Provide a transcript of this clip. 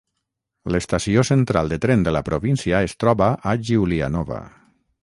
L'estació central de tren de la província es troba a Giulianova.